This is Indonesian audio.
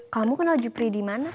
kamu kenal jupri dimana